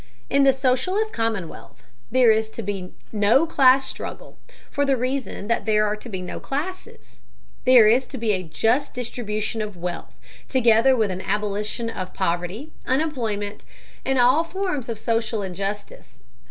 In the socialist commonwealth there is to be no class struggle, for the reason that there are to be no classes. There is to be a just distribution of wealth, together with an abolition of poverty, unemployment, and all forms of social injustice.